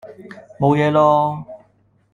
冇嘢囉